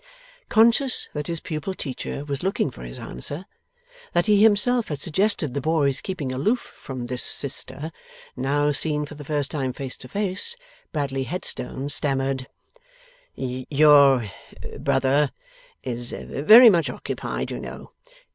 Conscious that his pupil teacher was looking for his answer, that he himself had suggested the boy's keeping aloof from this sister, now seen for the first time face to face, Bradley Headstone stammered: 'Your brother is very much occupied, you know.